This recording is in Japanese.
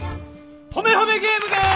ほめほめゲームです！